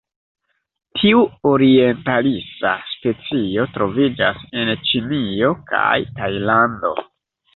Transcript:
Tiu orientalisa specio troviĝas en Ĉinio kaj Tajlando.